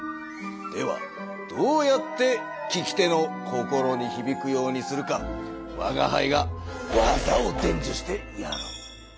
ではどうやって聞き手の心にひびくようにするかわがはいが技をでんじゅしてやろう。